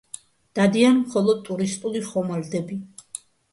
დადიან მხოლოდ ტურისტული ხომალდები.